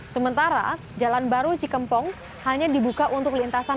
sementara jalan baru cikempong hanya dibuka untuk lintasan